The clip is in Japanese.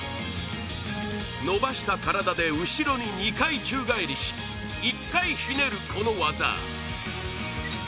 伸ばした体で後ろに２回宙返りし１回ひねるこの技。